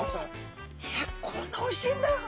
いやこんなおいしいんだ。